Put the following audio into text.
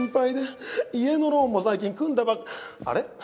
家のローンも最近組んだばっかり。